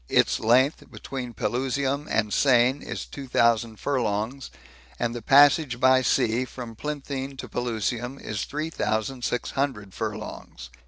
Its length between Pelusium and Siene is two thousand furlongs, and the passage by sea from Plinthine to Pelusium is three thousand six hundred furlongs.